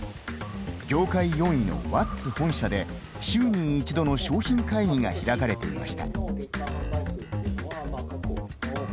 業界４位のワッツ本社で週に一度の商品会議が開かれていました。